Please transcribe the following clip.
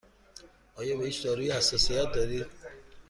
آیا به هیچ دارویی حساسیت دارید؟